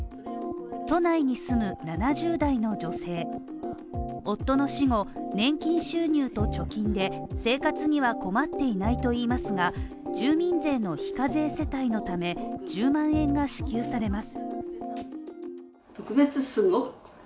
都内に住む７０代の女性と夫の死後、年金収入と貯金で生活には困っていないといいますが、住民税の非課税世帯のため１０万円が支給されます。